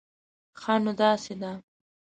ښه، نو داسې ده